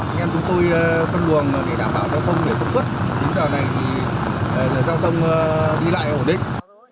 chúng em chúng tôi phân luồng để đảm bảo cho không để phục vụt đến giờ này thì giao thông đi lại ổn định